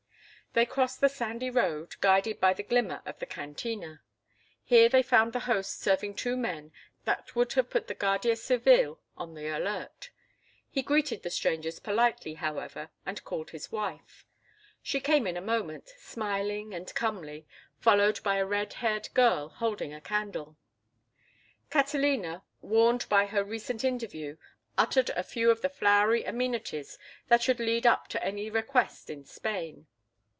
They crossed the sandy road, guided by the glimmer of the cantina. Here they found the host serving two men that would have put the Guardia Civile on the alert. He greeted the strangers politely, however, and called his wife. She came in a moment, smiling and comely, followed by a red haired girl holding a candle. Catalina, warned by her recent interview, uttered a few of the flowery amenities that should lead up to any request in Spain.